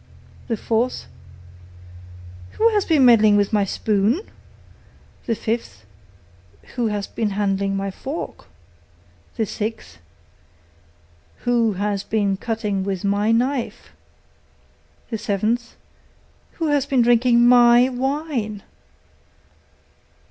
The fourth, 'Who has been meddling with my spoon?' The fifth, 'Who has been handling my fork?' The sixth, 'Who has been cutting with my knife?' The seventh, 'Who has been drinking my wine?